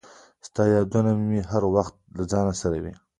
• ستا یادونه مې هر وخت له ځان سره وي.